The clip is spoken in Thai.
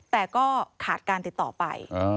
แต่ก็ขาดการติดต่อไป